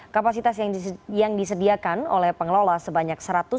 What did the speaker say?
kapasitas yang disediakan oleh pengelola sebanyak seratus